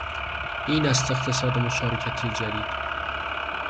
این است اقتصاد مشارکتی جدید